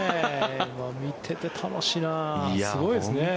見ていて楽しいな。